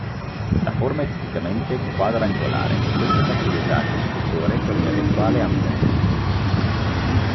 La forma è tipicamente quadrangolare; questo facilita il costruttore per un eventuale ampliamento.